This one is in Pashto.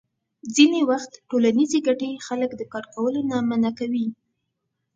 ځینې وخت ټولنیزې ګټې خلک د کار کولو نه منع کوي.